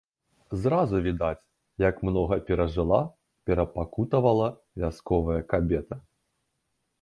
Зразу відаць, як многа перажыла, перапакутавала вясковая кабета.